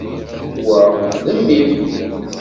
Wa, d mmi-m.